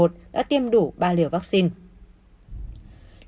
trường hợp thứ một mươi một đã tiêm đủ ba liều vaccine